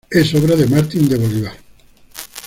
Es obra de Martín de Bolívar.